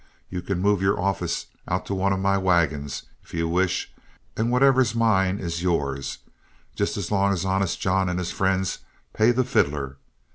You can move your office out to one of my wagons if you wish, and whatever's mine is yours, just so long as Honest John and his friends pay the fiddler.